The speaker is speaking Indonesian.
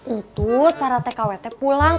untut para tkwt pulang